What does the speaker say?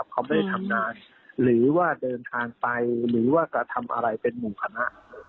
เขาไม่ได้ทำงานหรือว่าเดินทางไปหรือว่ากระทำอะไรเป็นหมู่คณะ